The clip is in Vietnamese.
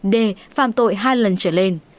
d phạm tội hai lần trở lên